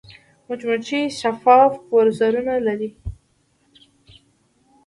مچمچۍ شفاف وزرونه لري